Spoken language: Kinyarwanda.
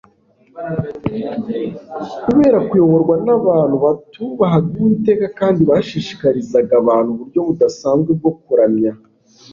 Kubera kuyoborwa nabantu batubahaga Uwiteka kandi bashishikarizaga abantu uburyo budasanzwe bwo kuramya